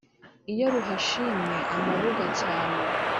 Iyo ruhashimye amabuga cyane